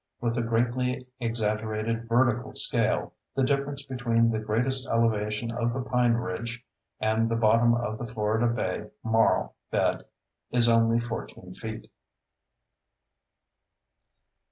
With a greatly exaggerated vertical scale, the difference between the greatest elevation of the pine ridge and the bottom of the Florida Bay marl bed is only 14 feet.